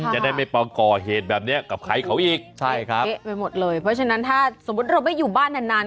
จะได้ไม่มาก่อเหตุแบบนี้กับใครเขาอีกใช่ครับเละไปหมดเลยเพราะฉะนั้นถ้าสมมุติเราไม่อยู่บ้านนานนาน